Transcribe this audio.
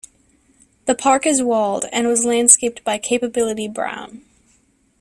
The park is walled, and was landscaped by Capability Brown.